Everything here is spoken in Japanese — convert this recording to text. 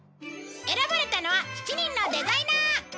選ばれたのは７人のデザイナー！